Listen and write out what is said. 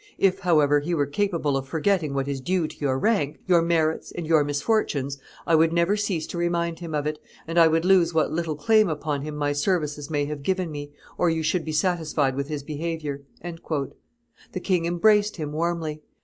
If, however, he were capable of forgetting what is due to your rank, your merits, and your misfortunes, I would never cease to remind him of it, and I would lose what little claim upon him my services may have given me, or you should be satisfied with his behavior." The king embraced him warmly.